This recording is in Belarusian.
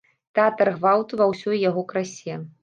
Тэатр гвалту ва ўсёй яго красе.